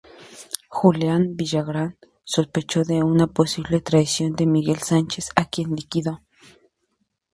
Julián Villagrán sospechó de una posible traición de Miguel Sánchez a quien liquidó.